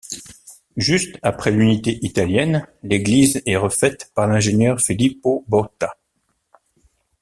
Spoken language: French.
Juste après l'Unité italienne, l'église est refaite par l'ingénieur Filippo Botta.